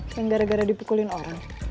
yang gara gara dipukulin orang